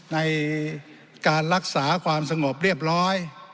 ในการรักษาความสงบเรียบร้อย